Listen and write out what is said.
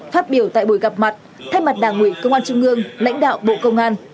phát biểu tại buổi gặp mặt thay mặt đảng ủy công an trung ương lãnh đạo bộ công an